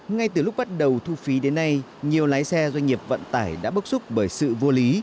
ngay từ lúc bắt đầu thu phí đến nay nhiều lái xe doanh nghiệp vận tải đã bốc xúc bởi sự vô lý